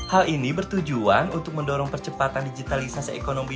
hal ini bertujuan untuk mendorong percepatan digitalisasi ekonomi